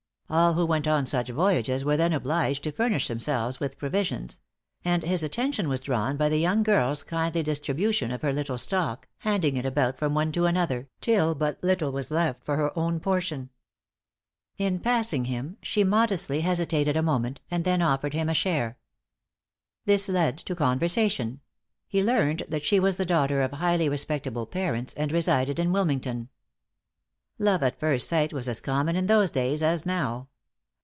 All who went on such voyages were then obliged to furnish themselves with provisions; and his attention was drawn by the young girl's kindly distribution of her little stock, handing it about from one to another, till but little was left for her own portion. In passing him, she modestly hesitated a moment, and then offered him a share. This led to conversation; he learned that she was the daughter of highly respectable parents, and resided in Wilmington. Love at first sight was as common in those days as now.